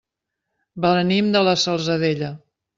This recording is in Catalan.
Venim de la Salzadella.